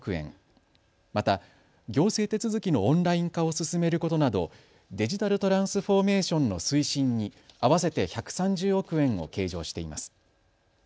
また、行政手続きのオンライン化を進めることなどデジタルトランスフォーメーションの推進に合わせて１３０億円を計上しています。